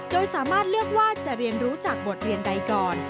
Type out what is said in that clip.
โดยสามารถเลือกว่าจะเรียนรู้จากบทเรียนใดก่อน